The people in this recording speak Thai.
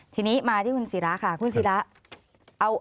ทีนี้มาที่คุณศิราค่ะคุณศิระ